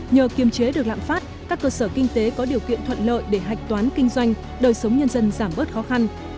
nhờ kiềm chế được lạm phát các cơ sở kinh tế có điều kiện thuận lợi để hạch toán kinh doanh đời sống nhân dân giảm bớt khó khăn